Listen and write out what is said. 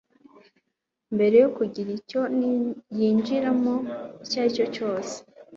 Mbere yo kugira icyo yinjiramo icyo aricyo cyose